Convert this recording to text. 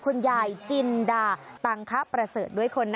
คนใหญ่จินดาตังคะประเสริฐด้วยคนนะคะ